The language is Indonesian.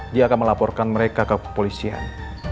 dia akan melaporkan mereka ke kepolisian